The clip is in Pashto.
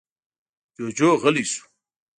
جُوجُو غلی شو.